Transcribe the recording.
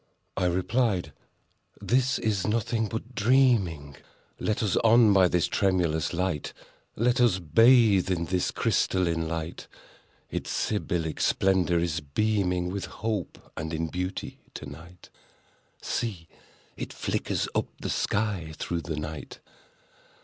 I replied—"This is nothing but dreaming. Let us on, by this tremulous light! Let us bathe in this crystalline light! Its Sybillic splendor is beaming With Hope and in Beauty to night— See!—it flickers up the sky through the night!